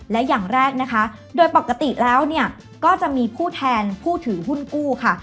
และอย่างแรกนะคะโดยปกติแล้วเนี่ยก็จะมีผู้แทนผู้ถือหุ้นกู้ค่ะ